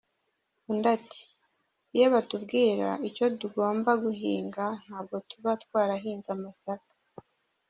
Undi ati “Iyo batubwira icyo tugomba guhinga ntabwo tuba twarahinze amasaka.